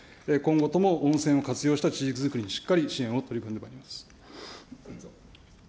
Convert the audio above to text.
今後とも、温泉を活用した地域づくりにしっかり支援を取り組んでまいります。